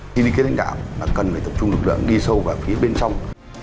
khi đi kết đánh đạm cần phải tập trung lực lượng đi sâu vào phía bên trong